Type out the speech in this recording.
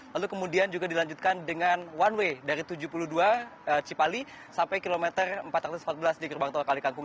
lalu kemudian juga dilanjutkan dengan one way dari tujuh puluh dua cipali sampai kilometer empat ratus empat belas di gerbang tol kalikangkung